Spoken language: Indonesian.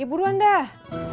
ya buruan dah